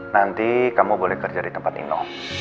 nanti kamu boleh kerja di tempat ini